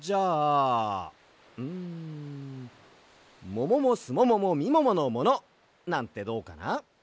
もももすもももみもものもの！なんてどうかな？